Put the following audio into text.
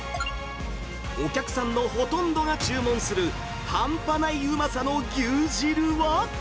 お客さんのほとんどが注文する半端ないうまさの牛汁は？